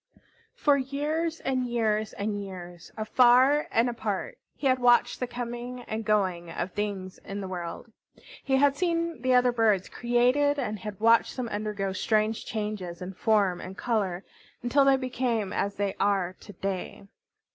For years and years and years, afar and apart, he had watched the coming and going of things in the world. He had seen the other birds created, and had watched them undergo strange changes in form and color until they became as they are to day.